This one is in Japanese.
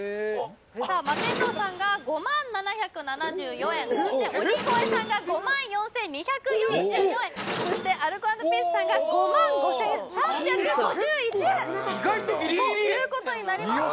さあマテンロウさんが５万７７４円そして鬼越さんが５万４２４４円そしてアルコ＆ピースさんが５万５３５１円意外とギリギリということになりました